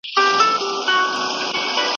یو په بل پسي سړیږي یوه وروسته بله وړاندي.